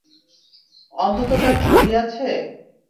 অন্তত তার ছবি আছে?